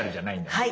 はい。